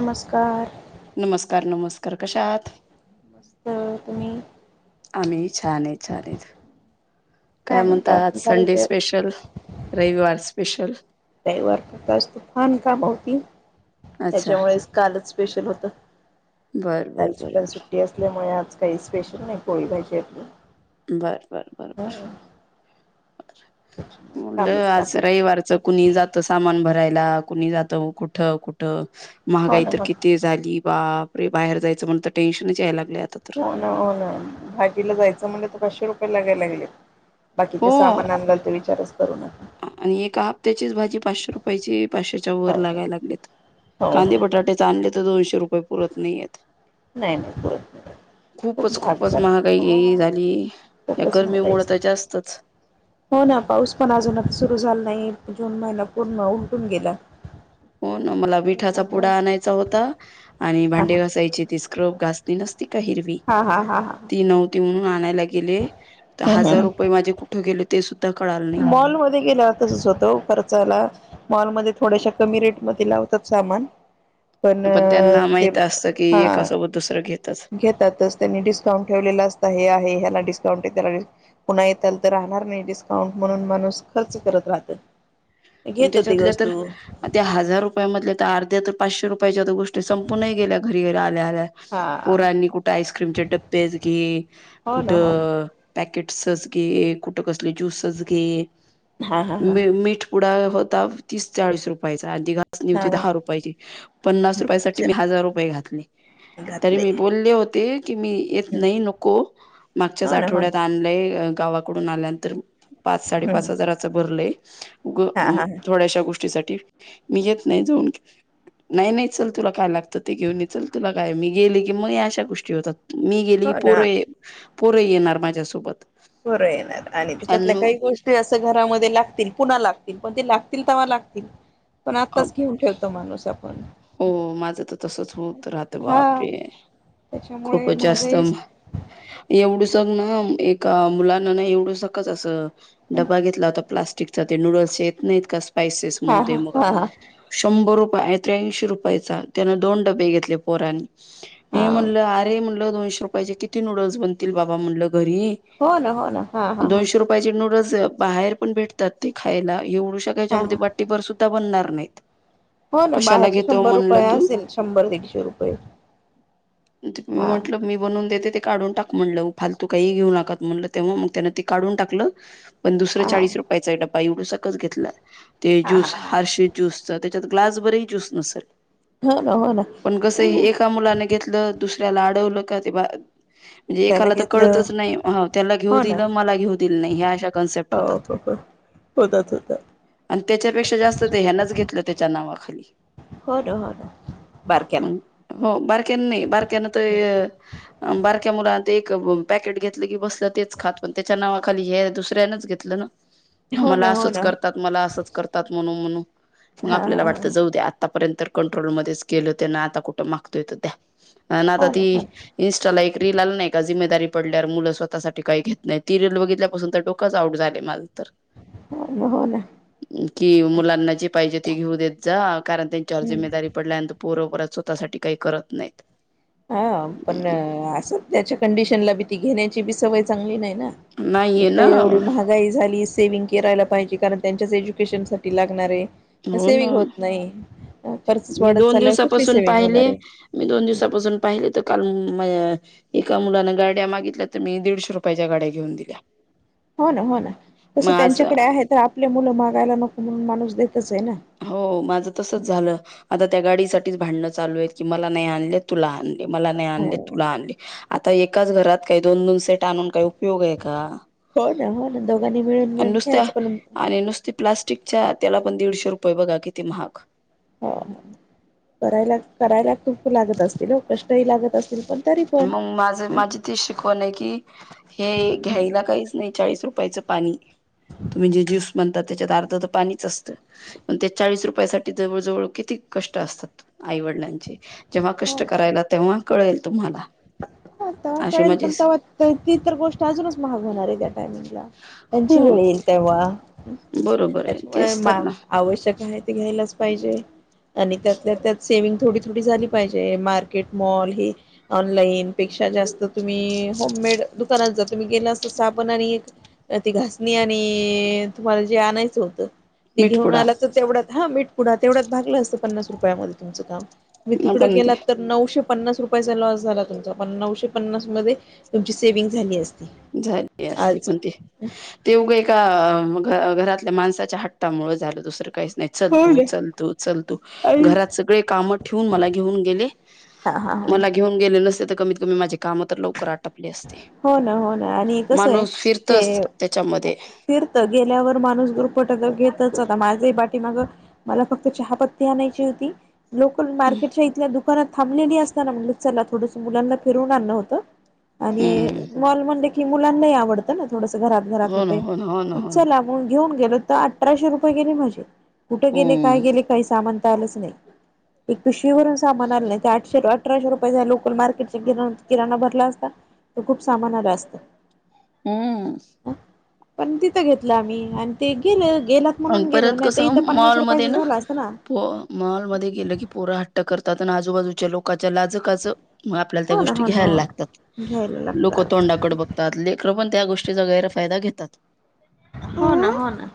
नमस्कार! नमस्कार! नमस्कार! कशा आहात? हा. आम्ही छान आहे छान आहे. काय म्हणता म्हणतात आज संडे साराच्या स्पेशल रविवार स्पेशल तवार करता तूफान काम होती. अच्छा त्याच्यामुळेच कालच स्पेशल होत बर बर कालची बर पल सुट्टी असते. त्यामुळे आज काही स्पेशल नाही पोळी भाजी आपल बर बर बर त्याच्यामुळे कामेच आज कामे रविवार चं. कुणी जात सामान भरायला कुणी जात कुठं कुठं हो महागाई ना तर हो ना किती झाली बापरे बाहेर जायचं म्हणत टेन्शनच यायला लागलं आता. तर हो ना भाजीला जायचं म्हणजे तर पाचशे रुपये लागायला लागले. बाकीचे हो सामान आणाल ते विचारच करू नक आणि एका हफ्त्याचीच भाजी, पाचशे रुपयाची पाचशे च्या हो वर हो लागाय लागलेत हो हो कांदे, नाही बटाटेच आणले तर दोनशे रुपये पुरत नाहीयेत. नाही, नाही पुरत नाहीत. खूपच, खूपच महागाई झाली, या खूपच महागाई गरमीमुळ तर झाली जास्तच. हो ना, पाऊस पण अजूनच सुरू झाला नाही, जून महिना पूर्ण उलटून गेला. हो ना, मला विठाचा त्याच्यामुळे पुडा आणायचा होता आणि हा भांडे हा घासायचे तीस क्रप-गासणी नसती का हिरवी. हा, हा, हा, हा. ती नव्हती म्हणून आणायला गेले, तर ह हजार रुपये माझे कुठे गेले ते सुद्धा कळाल नाही. मॉलमध्ये गेल्यावर तसच होतो, खर्चायला. मॉलमध्ये थोड्याशा कमी रेटमध्ये लावतात सामान पण त्यांना तेच माहित असतं की हा. एकासोबत दुसरं घेतच. घेतातच त्यांनी डिस्काउंट ठेवलेलं असत, हे आहे ह्याला डिस्काउंट त्याला पुन्हा येताल तर राहणार नाही डिस्काउंट, म्हणून माणूस खर्च करत राहत. पण घेतो ते त्याच्यातल्या तर वस्तू. त्या हजार रुपया मधल्या तर अर्ध्या तर पाचशे रुपयाच्या तर गोष्टी संपूूनही गेल्या घरीे आल्या- आल्या. हा पोरांनी कुठे आईस्क्रीमचे डबेच घे, हो ना हो ना कुठं पॅकेट्स घे, कुठ कसले ज्युसेस घे, हा हा हा म मीठ पुढा होता, तीस चाळीस रुपये. आधी घासनी होती दहा रुपयाची, पन्नास रुपया सामान साठी हा मी हजार रुपये घातले. तरी घातले. मी बोलले होते, की मी येत नाही नको, मागच्याच हो ना हो आठवड्यात ना आण गावाकडून आल्यानंतर, पाच -साडेपाच हा हजाराच भरलंय. उग, हा थोड्याशा गोष्टीसाठी, मी येत नाही जाऊन घे. नाही, नाही चल तुला काय लागतं ते घेऊन ये, चल तुला काय. मी गेले की मग अशा गोष्टी होतात. मी हो गेली पोर, ना पोर येणार माझ्यासोबत. पोरं येणार आणि त्याच्यातल्या काही गोष्टी ते असं घरामध्ये लागतील, पुन्हा लागतील पण ते लागतील तेवा लागतील, पण आत्ताच घेऊन ठेवत आता माणूस आपण. हो, माझं तर तसच होत राहतं हा बापरे, त्याच्यामुळे खूपच जास्त महागाई एवढु सग ना, एका मुलांना ना, एवढु सकच असं. डबा घेतला होता, प्लास्टिकचा ते नूडल्स येत नाहीत का, स्पायसेस हा म्हणून ते हा मुगा. हा हा शंभर रुपय, त्र्यांशी रुपयाचा त्यान दोन डबे घेतले पोरानी, हा मी म्हणल. म्हटलं दोनशे रुपयाचे किती नूडल्स बनतील बाबा म्हटलं घरी. होना, होना, हा, हा, ह. पाहिजे नूडल्स बाहेर पण भेटतात ते खायला, एवढू शका हा याच्यामध्ये हा वाटी भर सुद्धा बनणार नाहीत. हो ना, कशाला बाहेरचे घेतो शंभर म्हणलं रुपये तू असेल, शंभर दीडशे रुपये. मी हा म्हटलं, मी बनवून देते ते काढून टाक म्हणलं, फालतू काही घेऊ नकात म्हणलं तेव्हा मग त्यान ती काढून टाकलं. पण दुसर हा चाळीस रुपयाचा डब्बा एवडू सक घेतला, ते ज्यूस हर्षित ज्युसचा त्यात ग्लासभरही पण ज्युस नसेल, हो ना हो ना पण कस हं. एका मुलाने घेतलं दुसऱ्याला अडवलं का ते बा म्हणजे त्यानं एकाला तर घेतलं कळतच नाही, त्याला घेऊ हो ना दिलं मला घेऊ दिलं नाही. ह्या अशा कन्सेप्ट हो होतात. हो हो होतात, होतात. आणि त्याच्यापेक्षा जास्त ते ह्यानच घेतलं त्याच्या नावाखाली. हो ना, हो ना बारक्याला मग हो बर क्या नही बारक्याला तर बारक्या मुला ते घेतलं की बस क तेच खातो अण त्याच्या नावाखाली हे दुसऱ्यानच घेतलं ना हा हो ना मला हो असंच ना करतात, मला असंच करतात म्हणू म्हणू मग हा हा आपल्याला हा वाटतं जाऊ द्या आ आतापर्यंत कंट्रोलमध्येच केलं त्यानं आता कुठं मागतोये त द्या आन् आता हो ती ना हो इन्स्टाला एक रील आली नाही का, जिम्मेदारी पडल्यावर मुलं स्वतःसाठी काही घेत नाही ती रील बघितल्यापासून तर डो कच आऊट झाले माझं तर. [unintelligible] की मुलांना जे पाहिजे ते घेऊ देत जा, कारण त्यांच्यावर हम्म. जिम्मेदारी पडल्यानंतर पोरं बर स्वतःसाठी काही करत नाही. हा पण असं त्याच्या कंडिशनला बी ती घेण्याची बी सवय चांगली नाही ना. नाहीये एक तर ना एवढी लाहा घाई झाली सेव्हिंग करायला पाहिजे कारण, त्यांच्याच एज्युकेशन साठी लागणार आहे. त हो ना सेव्हिंग होत नाही. खर्चच मी वाढत दोन चालल्यावर कुठली दिवसापासून सेविंग पाहिले, होणार आहे मी दोन दिवसापासून पाहिले तर काल म एका मुलानं गाड्या मागितल्या तर मी दीडशे रुपयाच्या गाड्या घेऊन दिल्या. हो ना, हो ना मग तसं आज त्यांच्याकडे आहे तर आपले मुलं मागायला नको म्हणून माणूस देतच ये ना. हो माझं तसच झालं आता त्या गाडीसाठीच भांडणं चालू आहे की मला नाही आणलेत. तुला आणली, मला नाही हो आणली, तुला आणली. आता एकाच घरात काही दोन -दोन सेट आणून काही उपयोग आहे का? हो ना, हो ना दोघांनी मिळून आणि मिळून नुसत्या खेळायचं पण आणि नुसती प्लास्टिकच्या त्याला पण दीडशे रुपये बघा किती महाग. हो करायलात, करायलात चु लागत असतील हो कष्टही लागत असतील, पण तरी पण मग माझ माझी तीच शिकवण आहे की हे हम्म. घ्यायला काहीच नाही, चाळीस रुपयाच पाणी तुम्ही जे ज्यूस म्हणतात त्याच्या अर्ध तर पाणीच असतं. पण ते चाळीस रुपया साठी जवळ जवळ किती कष्ट असतात आईवडिलांचे. जेव्हा कष्ट हो करायला तेव्हा कळेल तुम्हाला. हं तेव्हा पण अशी कळेल माझी पण त ती तर गोष्ट अजूनच महाग होणार आहे त्या टायमिंगला, त्यांची हो वेळी. तेव्हा बरोबर आहे त्याच्यामुळे तेच तर मा ना आवश्यक आहे, ते घ्यायलाच पाहिजे आणि त्यातल्या त्यात सेविंग थोडी, थोडी झाली पाहिजे मार्केट मॉल ही ऑनलाईन पेक्षा जास्त तुम्ही होममेड दुकानात जा, तुम्ही गेला साबण आणि एक त ती घासणी आणि तुम्हाला जे आणायचं होतं ते घेऊ आ मीठपुडा तर तेवढ्याच हा मीठ पुुढा तेवढ्याच भागलं असतं, पन्नास रुपयामध्ये तुमचं काम. मी तिकडं पण ते गेलात तर नऊशे पन्नास रुपयाचा लॉस झाला तुमचा पण नऊशे पन्नास मध्ये, तुमची सेव्हींग् झाली असती. झाली असती, आज पण ते ते उघं, एका घरातल्या माणसाच्या हट्टामुळे, झालं दुसरं काहीच नाही हो चलतू ना -चलतू- चलतू आणि घरात सगळे काम ठेवून, मला घेऊन गेले. हा -हा -हा. मला घेऊन गेले नसते तर कमीत, कमी माझे कामं तर लवकर आटपले असते. हो ना, हो ना आणि कसं ये माणूस ते फिरतच त्याच्यामध्ये फिरतं गेल्यावर माणूस गुरफटच घेतच आता माझ् ही पाटी माग मला फक्त चहापत्ती आणायची होती. लोकल मार्केटच्या इथल्या दुकानात थांबलेली असताना म्हणलं चला थोडंस मुलांना फिरवून आणण होतं. आणि हम्म मॉल म्हणल की मुलांनाही आवडतं ना थोडस घरात घरात हो ना होते हो ना हो ना हो ना चला. म्हणून घेऊन गेल तर अठराशे रुपये गेले माझे कुठं गेले हम्म काय गेले काही सामान त आलच नाही एक पिशवी भरून सामान आलं नाही ते आठशे अठराशे रुपयेचा लोकल मार्केटचे किराणा भरला असता, तर खूप सामान आलं असत. हम्म. पण तिथं घेतलं आम्ही आणि ते गेल गेला अन् परत कसं मॉलमध्ये ना प मॉलमध्ये गेलं की पोर हट्ट करतात आणि आजूबाजूच्या लोकांच्या लाज काज म आपल्याला त्या हो ना गोष्टी हो ना घ्यायला हो लागतात ना घ्यायला लोकं लागतात. तोंडाकडे बघ तात लेकरं पण त्या गोष्टीचा गैरफायदा घेतात. हो ना हो ना.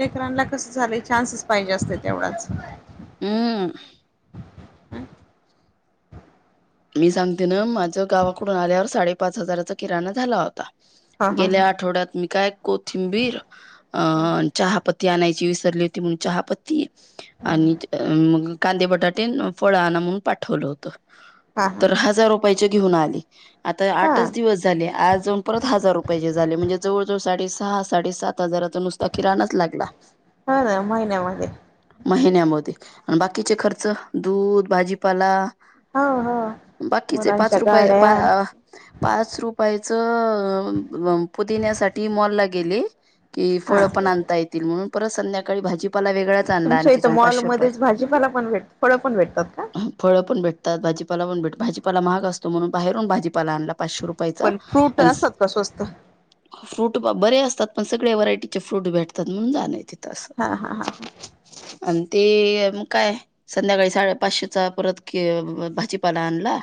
लेकरांना कसं झालंय चान्सच पाहिजे असते तेवढाच. हम. मी सांगते ना माझ गावाकडून आल्यावर साडेपाच हजाराचा किराणा झाला होता. हा हा. हा. गेल्या आठवड्यात मी काय कोथिंबीर अ हम्म चहापत्ती आणायची विसरली होती म्हणून चहापत्ती. हम्म. आणि मग कांदे, बटाटे अन् फळ आणा म्हणून पाठवलं होत. हा हा तर हजार रुपयाची घेऊन आली. आता हा आठच दिवस झाले आज जाऊन परत हजार रुपयाचे झाले म्हणजे जवळजवळ साडे सहा, साडेसात हजाराचा नुसता किराणच लागला. हो ना महिन्यामध्ये महिन्यामध्ये आणि बाकीचे खर्च दूध, भाजीपाला हा हा. बाकीचे पाच रुपये पा पाच रुपयाच पुदिण्यासाठी मॉल ला गेले कि हा फळ पण आणता येतील म्हणून परत संध्याकाळी भाजीपाला वेग तुमच्या इथं मॉलमध्येच भाजीपाला पण भेट फळं पण भेटतात का? फळं पण भेटतात, भाजीपाला पण भेट, भाजीपाला महाग असतो म्हणून बाहेरून भाजीपाला आणला. पाचशे रुपयाचा पण फ्रूट अन असतात का स्वस्त फ्रूट बरे असतात पण सगळ्या व्हरायटीचे फ्रूट भेटतात म्हणून जाण तिथं असं. हा हा हा आणि ते मग काय, संध्याकाळी साडे पाचशेचा परत कि भाजी पाला आणला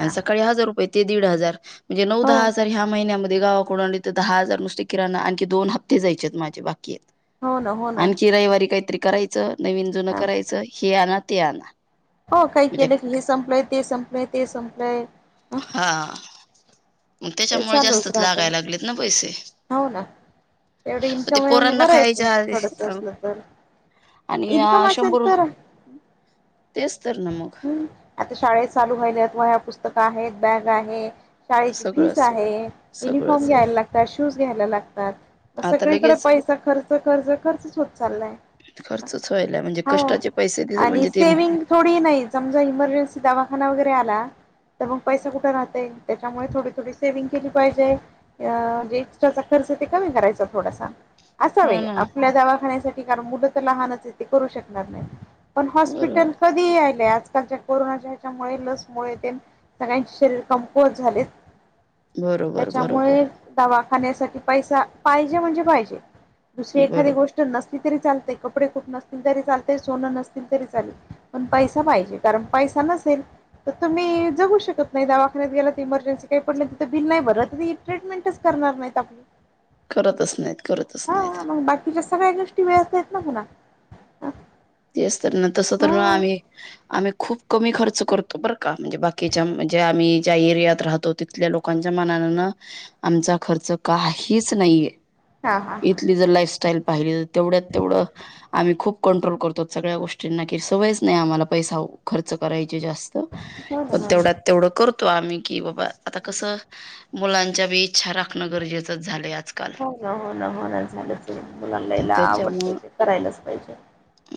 अन सकाळी हजार रुपये ते दीड हजार, म्हणजे नऊ, हो दहा हजार ह्या महिन्यामध्ये गावाकडून आणले तर दहा हजार नुसते किराणा आणखी दोन हप्ते जायचे आहेत माझे बाकी आहे. हो ना हो ना आणखी रविवारी काहीतरी करायचं नवीन जुनं हा करायचं हे आणा ते आणा. हो काही म्हणजे केलंय की हे संपलंय ते संपलंय ते संपलंय. ह हा मग ते त्याच्यामुळे चालूच जास्तच राहते लागाय लागलेत ना पैसे. हो ना, तेवढं मग ते इन्कम येऊन पोरांना बरय खायच्या तुमचं आधी थोडस अ, असलं तर. आणि आ इन्कम असेल शंभर तर तेच तर ना मग. हम् आता शाळे चालू व्हायल्या वह्या, पुस्तकं आहेत बॅग आहे. शाळेची सगळं फीस सगळं आहे युनिफॉर्म सगळंच आहे घ्यायला लागतात, शूज घ्यायला लागतात. आता सगळीकडे लगेच पैसा खर्च खर्च खर्चच होत चाललाय. खर्च व्हायला म्हणजे कष्टाचे पैसे दिले म्हणजे ते सेव्हींग थोडी नाही समजा इमर्जन्सी दवाखाना वगैरे आला तर मग पैसा कुठे राहतय त्याच्यामुळे थोडी थोडी सेव्हंग केली पाहिजे. अ जे एक्स्ट्राचा खर्च ते कमी करायचा थोडासा. असाव हो ना आपल्या दवाखान्यासाठी कारण मुलं तर लहानच आहे तेे करू शकणार नाही पण बरोबर हॉस्पिटल कधीही आलेय आजकालच्या कोरोनाच्या ह्याच्यामुळे लसमुळे ते सगळ्यांचे शरीर कमकुवज झाले. बरोबर बरोबर त्याच्यामुळे दवाखान्यासाठी पैसा पाहिजे म्हणजे पाहिजे. दुसरी एखादी बरोबर गोष्ट नसली तरी चालतेय, कपडे खूप नसतील तरी चालतय, सोनं नसतील तरी चालेल पण पैसा पाहिजे कारण पैसा नसेल तर तुम्ही जगू शकत नाही. दवाखान्यात गेला तर इमर्जन्सी काही पडलं तिथं बिल नाही भरत ट्रीटमेंटच करणार नाही करतच नाहीत करतच नाहीत. तुमच्या सगळ्या गोष्टी वेळेत आहेत ना म्हणा तेच तर ना तस तर आम्ही आम्ही खूप कमी खर्च करतो बरं का म्हणजे बाकीच्या म्हणजे आम्ही ज्या एरियात राहतो तिथल्या लोकांच्या मनान आमचा खर्च काहीच नाहीये हा हा इथली जर लाईफस्टाईल पाहिली तेवढ्यात तेवढं आम्ही खूप कंट्रोल करत सगळ्या गोष्टींना की सवयच नाही आम्हाला पैसा खर्च करायचे जास्त हो ना पण तेवढ्या हो तेवढं करतो आम्ही की बाबा आता कसं मुलांच्या बी इच्छा राखणं गरजेचं च झालाय हो ना हो ना मणा झालंच मुलालायला आवडत त्याच्यामुळ ते करायलाच पाहिजे.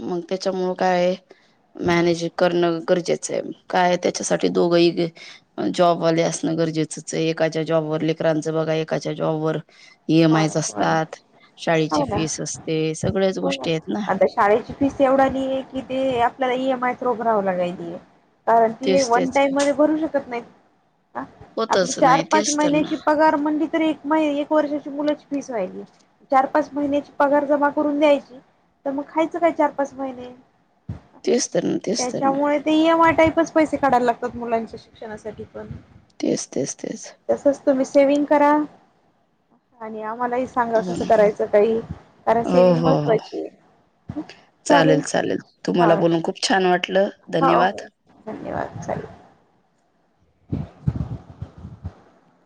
मग त्याच्यामुळे काय आहे मॅनेज करणं गरजेचं आहे काय त्याच्यासाठी दोघही जॉबवाले असणं गरजेचंच आहे एकाच्या जॉबवर लेकरांचं बघा एकाच्या जॉबवर ई एम हो आय ना हो ना असतात शाळेची हो ना फीस असते सगळ्याच हो गोष्टी आहेत ना. आता शाळेची फीस एवढा नाहीे की ते आपल्याला ई एम आयच रभरावं लागायची आहे. कारण ती तेच वन तेच टाईम मध्ये भरू शकत नाही आपली होतच चार नाही पाच तेच तर ना महिन्याची पगार मं तर एक म एक वर्ष फीस व्हा चार पाच महिन्या पगार जमा करून द्यायची. तर मग खायचं काय चार पाच महिने तेच तर ना तेच तर ना त्याच्यामुळे ते ई एम आय टाईपच पैसे काढायला लागतात मुलांच्या शिक्षणासाठी पण. तेच तेच तेच तसंच तुम्ही सेविंग करा. आणि आम्हालाही सांगा हो कसं ना करायचं काही कारण हो सेव्हंग हो हो महत्त्वाची आहे चालेल चालेल तुम्हाला हा. बोलून खूप छान वाटलं हो धन्यवाद. हो धन्यवाद चालेल [inaudible]